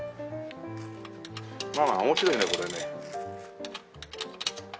面白いねこれね。